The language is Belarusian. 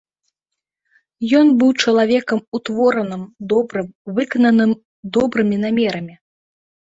Ён быў чалавекам утвораным, добрым, выкананым добрымі намерамі.